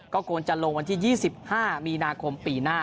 ก็ควรจะลงวันที่๒๕มีนาคมปีหน้า